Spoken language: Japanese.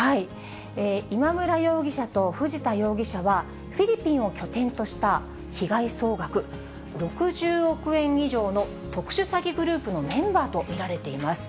今村容疑者と藤田容疑者は、フィリピンを拠点とした、被害総額６０億円以上の特殊詐欺グループのメンバーと見られています。